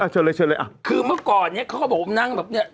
เชิญเลยเชิญเลยอ่ะคือเมื่อก่อนเนี้ยเขาก็บอกว่านั่งแบบเนี้ย